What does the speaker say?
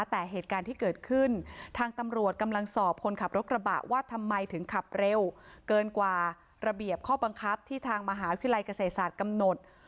แต่เหตุการณ์ที่เกิดขึ้นทางตำรวจกำลังสอบคนขับรถกระบะว่าทำไมถึงขับเร็วเกินกว่าระเบียบข้อบังคับที่ทางมหาวิทยาลัยเกษตรศาสตร์กำหนด